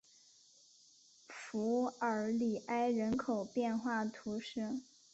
弗尔里埃人口变化图示